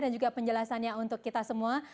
dan juga penjelasannya untuk kita semua